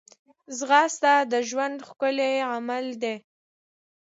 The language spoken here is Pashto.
ځغاسته د ژوند ښکلی عمل دی